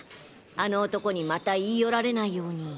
あの男にまた言い寄られないように。